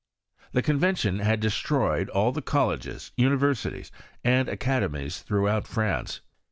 The Conventioii bad destroyed all the colleges, universities, and academies throughout Fi ance.